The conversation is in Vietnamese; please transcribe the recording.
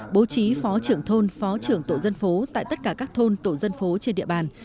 bố trí phó trưởng thôn phó trưởng tổ dân phố tại tất cả các thôn tổ dân phố trên địa bàn